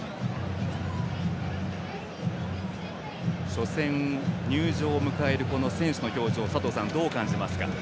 初戦、入場を迎える選手の表情佐藤さん、どう感じますか？